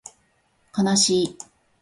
かなしい